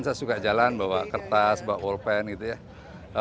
saya suka jalan bawa kertas bawa walpen gitu ya